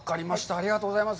ありがとうございます。